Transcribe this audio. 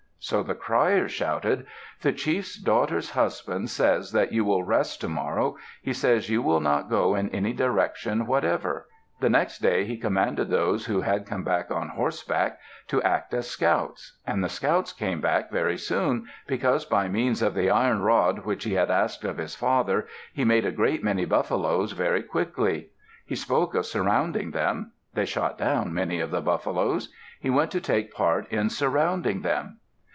So the criers shouted: "The chiefs daughter's husband says that you will rest tomorrow. He says you will not go in any direction whatever." The next day he commanded those who had come back on horseback to act as scouts. And the scouts came back very soon; because by means of the iron rod which he had asked of his father, he made a great many buffaloes very quickly. He spoke of surrounding them. They shot down many of the buffaloes. He went to take part in surrounding them.